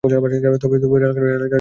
তবে রেলগাড়ি চড়িয়াছে যে কোন!